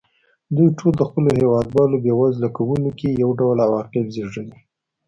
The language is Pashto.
دوی ټول د خپلو هېوادوالو بېوزله کولو کې یو ډول عواقب زېږوي.